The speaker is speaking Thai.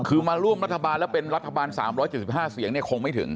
คือมาร่วมรัฐบาลแล้วเป็นรัฐบาล๓๗๕เสียงเนี่ยคงไม่ถึง